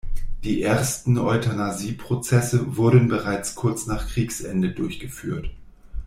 Die ersten Euthanasie-Prozesse wurden bereits kurz nach Kriegsende durchgeführt.